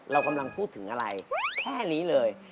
เรากำลังพูดถึงอะไรแค่นี้เลย